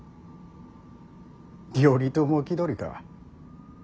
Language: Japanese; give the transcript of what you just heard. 頼朝気取りか。